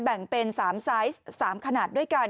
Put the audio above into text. แบ่งเป็น๓ไซส์๓ขนาดด้วยกัน